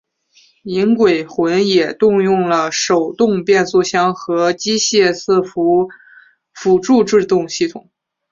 银鬼魂也共用了手动变速箱和机械伺服辅助制动系统。